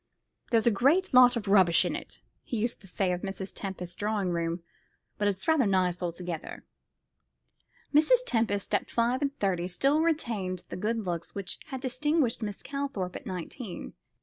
"There's a great lot of rubbish in it," he used to say of Mrs. Tempest's drawing room, "but it's rather nice altogether." Mrs. Tempest, at five and thirty, still retained the good looks which had distinguished Miss Calthorpe at nineteen.